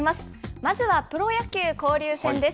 まずはプロ野球交流戦です。